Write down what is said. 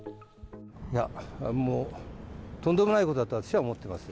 いや、もうとんでもないことだと私は思っています。